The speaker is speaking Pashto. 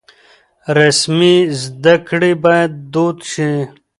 رسمي زده کړې بايد دود شي.